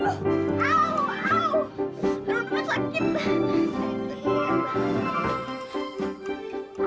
perut aku sakit banget dipukul sama opi